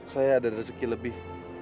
saya ada rezeki lebih